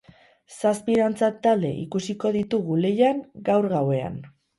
Zazpi dantza talde ikusiko ditugu lehian gaur gauean.